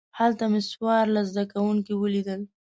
هلته مې څوارلس زده کوونکي ولیدل.